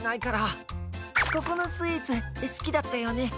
ここのスイーツすきだったよね？